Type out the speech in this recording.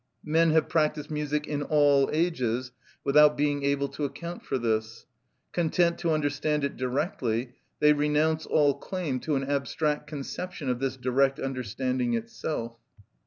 Men have practised music in all ages without being able to account for this; content to understand it directly, they renounce all claim to an abstract conception of this direct understanding itself.